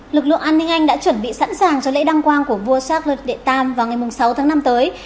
lực lượng an ninh anh đã chuẩn bị sẵn sàng cho lễ đăng quang của vua charles viii vào ngày sáu tháng năm tới